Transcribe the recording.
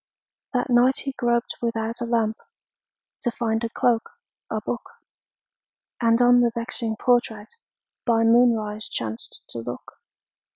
That night he groped without a lamp To find a cloak, a book, And on the vexing portrait By moonrise chanced to look.